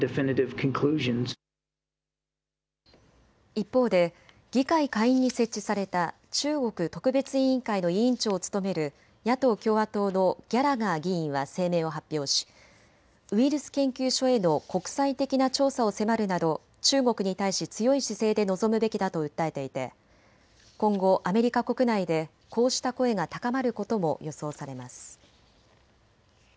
一方で議会下院に設置された中国特別委員会の委員長を務める野党・共和党のギャラガー議員は声明を発表しウイルス研究所への国際的な調査を迫るなど中国に対し強い姿勢で臨むべきだと訴えていて今後、アメリカ国内でこうした声が高まることも予想されます。